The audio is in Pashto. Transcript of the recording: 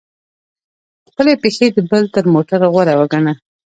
خپلي پښې د بل تر موټر غوره وګڼه!